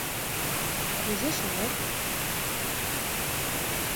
Кузе шонет?»